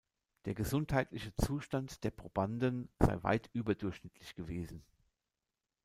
Der gesundheitliche Zustand der Probanden sei weit überdurchschnittlich gewesen.